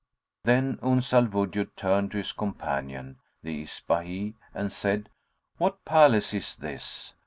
Then Uns al Wujud turned to his companion, the Ispahahi, and said, "What palace is this?